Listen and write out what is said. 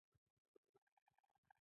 یو یې امیر او بل یې ورور ته واستاوه.